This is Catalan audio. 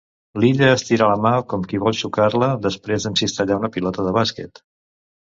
L'Illa estira la mà com qui vol xocar-la després d'encistellar una pilota de bàsquet.